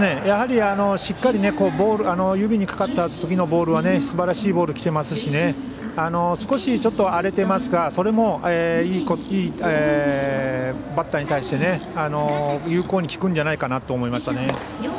やはりしっかり指にかかったときのボールはすばらしいボールが来てますし少しちょっと荒れていますがそれもいい、バッターに対して有効に効くんじゃないかと思いましたね。